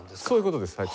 そういう事です。